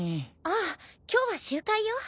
ああ今日は集会よ。